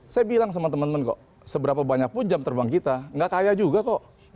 saya bilang sama teman teman kok seberapa banyak pun jam terbang kita gak kaya juga kok